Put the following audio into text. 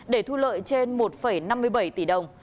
để thu lợi trên một năm mươi bảy tỷ đồng